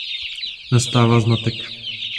Nastává zmatek.